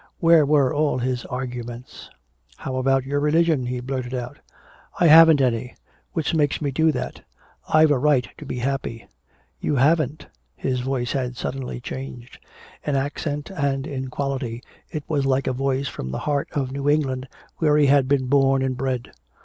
Where were all his arguments? "How about your religion?" he blurted out. "I haven't any which makes me do that I've a right to be happy!" "You haven't!" His voice had suddenly changed. In accent and in quality it was like a voice from the heart of New England where he had been born and bred.